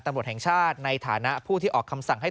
โปรดติดตามตอนต่อไป